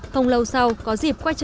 không lâu sau có dịp quay trở lại